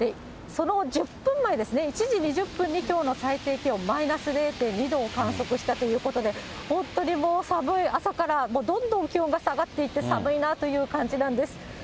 その１０分前ですね、１時２０分にきょうの最低気温、マイナス０．２度を観測したということで、本当にもう寒い、朝からどんどん気温が下がっていって、寒いなあという感じなんです。